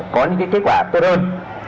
có những cái kết quả tốt hơn